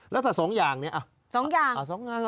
แล้วถ้าสองอย่างเนี่ยอ่ะสองอย่างอ่ะสองอย่าง